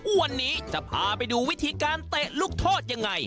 วันนี้จะพาไปดูวิธีการเตะลูกโทษยังไง